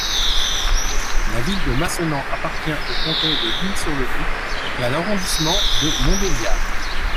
La ville de Mancenans appartient au canton de L'Isle-sur-le-Doubs et à l'arrondissement de Montbéliard.